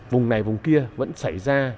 vùng này vùng kia vẫn xảy ra